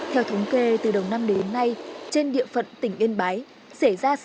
theo thống kê từ đầu năm đến nay trên địa phận tỉnh yên bái